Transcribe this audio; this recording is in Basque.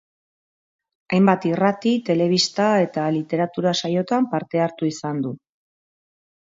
Hainbat irrati, telebista eta literatura-saiotan parte hartu izan du.